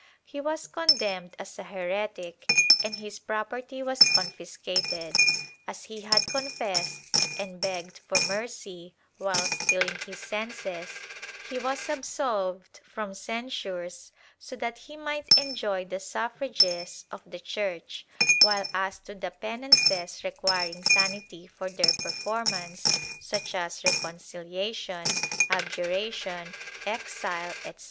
He was condemned as a heretic and his property was confiscated; as he had confessed and begged for mercy while still in his senses, he was absolved from censures so that he might enjoy the suffrages of the Church, while as to the penances requiring sanity for their performance, such as reconciliation, abjuration, exile, etc.